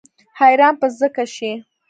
حیران به ځکه شي.